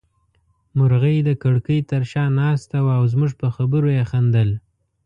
مرغۍ د کړکۍ تر شا ناسته وه او زموږ په خبرو يې خندل.